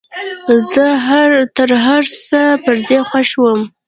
زه تر هرڅه پر دې خوښ وم.